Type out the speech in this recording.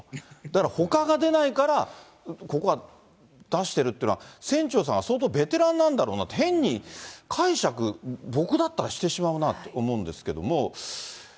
だからほかが出ないからここは出してるっていうのは、船長さんは相当ベテランなんだろうなって、変に解釈、僕だったらしてしまうなと思うんですけれども。